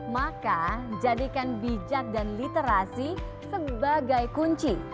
maka jadikan bijak dan literasi sebagai kunci